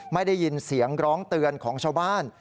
ไม่ได้ยินเสียงร้องเตือนของชาวบ้าน